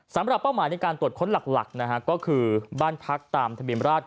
สำหรับเป้าหมายในการตรวจค้นหลักก็คือบ้านพักตามทะเบียนราฐ